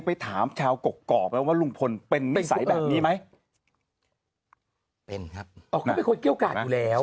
พลิกต๊อกเต็มเสนอหมดเลยพลิกต๊อกเต็มเสนอหมดเลย